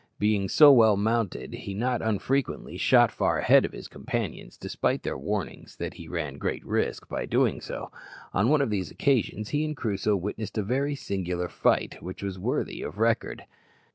Being so well mounted, he not unfrequently shot far ahead of his companions, despite their warnings that he ran great risk by so doing. On one of these occasions he and Crusoe witnessed a very singular fight, which is worthy of record.